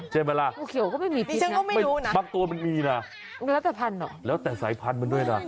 ใช่ไหมล่ะมักตัวมันมีนะแล้วแต่ภัณฑ์เหรอแล้วแต่สายพันธุ์มันด้วยนะ